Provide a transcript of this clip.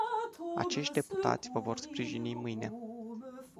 Acești deputați vă vor sprijini mâine.